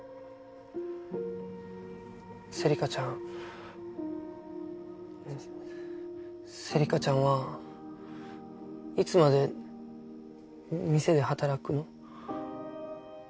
芹香ちゃん芹香ちゃんはいつまで店で働くの？